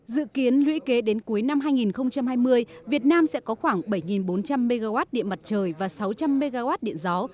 dự kiến lũy kế đến cuối năm hai nghìn hai mươi việt nam sẽ có khoảng bảy bốn trăm linh mw điện mặt trời và sáu trăm linh mw điện gió